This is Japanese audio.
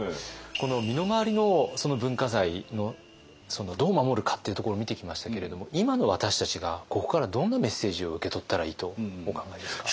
この身の回りの文化財のそのどう守るかっていうところを見てきましたけれども今の私たちがここからどんなメッセージを受け取ったらいいとお考えですか？